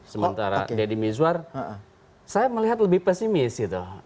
sementara deddy mizwar saya melihat lebih pesimis gitu